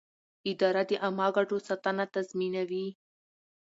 اداره د عامه ګټو ساتنه تضمینوي.